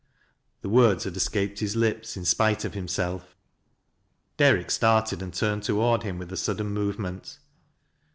The words had escaped his lips in spite of himself. Derrick started and turned toward him with a suddet movement.